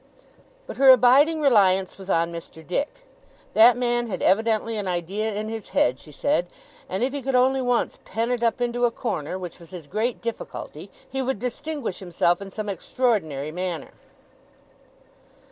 But her abiding reliance was on Mr. Dick. That man had evidently an idea in his head, she said; and if he could only once pen it up into a corner, which was his great difficulty, he would distinguish himself in some extraordinary manner.